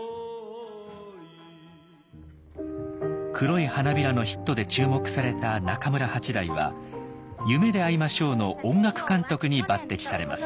「黒い花びら」のヒットで注目された中村八大は「夢であいましょう」の音楽監督に抜てきされます。